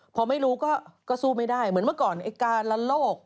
พอไม่รู้ก็สู้ไม่ได้เหมือนเมื่อก่อนไอ้การละโลก